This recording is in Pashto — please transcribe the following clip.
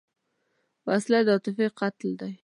وسله د عاطفې قتل ده